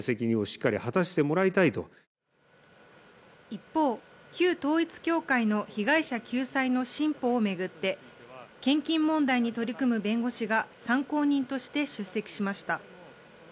一方、旧統一教会の被害者救済の新法を巡って献金問題に取り組む弁護士が参考人として出席しました。